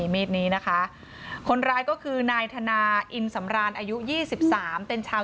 มีดนี้นะคะคนร้ายก็คือนายธนาอินสำราญอายุ๒๓เป็นชาว